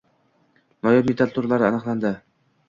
Noyob metall turlari aniqlandi